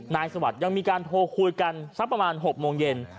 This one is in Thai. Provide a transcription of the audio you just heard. สวัสดิ์ยังมีการโทรคุยกันสักประมาณ๖โมงเย็น